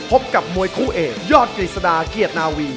พบกับมวยคู่เอกยอดกฤษฎาเกียรตินาวี